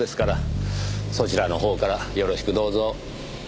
そちらのほうからよろしくどうぞ。